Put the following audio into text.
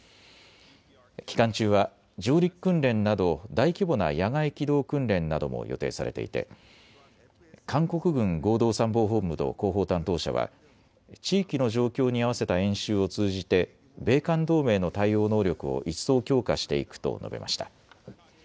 期間中は上陸訓練など大規模な野外機動訓練なども予定されていて韓国軍合同参謀本部の広報担当者は、地域の状況に合わせた演習を通じて米韓同盟の対応能力を一層強化していくと述べました。